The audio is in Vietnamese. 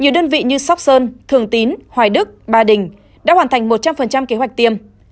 nhiều đơn vị như sóc sơn thường tín hoài đức ba đình đã hoàn thành một trăm linh kế hoạch tiêm